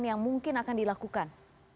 yang mungkin akan dilakukan